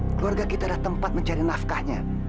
keluarga kita adalah tempat mencari nafkahnya